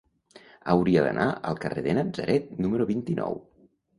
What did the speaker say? Hauria d'anar al carrer de Natzaret número vint-i-nou.